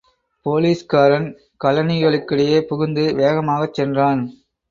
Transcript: போலீஸ்காரன் கழனிகளுக்கிடையே புகுந்து வேகமாகச் சென்றான்.